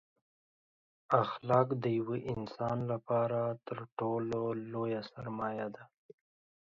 اخلاق دیوه انسان لپاره تر ټولو لویه سرمایه ده